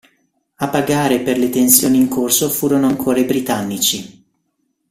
A pagare per le tensioni in corso furono ancora i britannici.